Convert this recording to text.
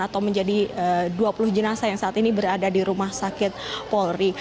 atau menjadi dua puluh jenazah yang saat ini berada di rumah sakit polri